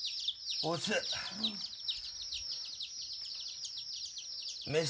オス。